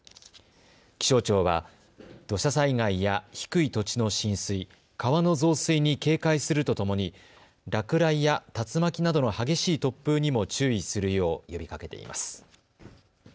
気象庁は土砂災害や低い土地の浸水、川の増水に警戒するとともに落雷や竜巻などの激しい突風にも注意するよう呼びかけています。